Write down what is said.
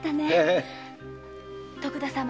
徳田様